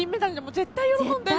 絶対喜んでる。